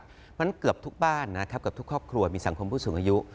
เพราะฉะนั้นเกือบทุกบ้านนะครับเกือบทุกครอบครัวมีสังคมผู้สูงอายุ